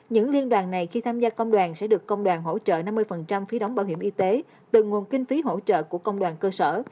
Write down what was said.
những liên đoàn này khi tham gia công đoàn sẽ được công đoàn hỗ trợ năm mươi phí đóng bảo hiểm y tế từ nguồn kinh phí hỗ trợ của công đoàn cơ sở